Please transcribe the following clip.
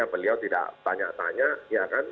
beliau tidak tanya tanya ya kan